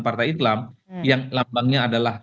partai islam yang lambangnya adalah